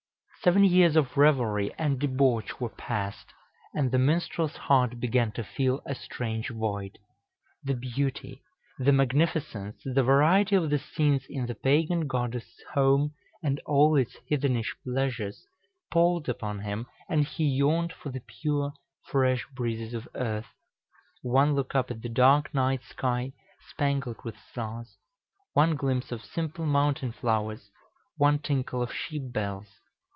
Seven years of revelry and debauch were passed, and the minstrel's heart began to feel a strange void. The beauty, the magnificence, the variety of the scenes in the pagan goddess's home, and all its heathenish pleasures, palled upon him, and he yearned for the pure fresh breezes of earth, one look up at the dark night sky spangled with stars, one glimpse of simple mountain flowers, one tinkle of sheep bells.